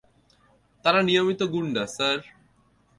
তারা নিয়মিত গুন্ডা, স্যার।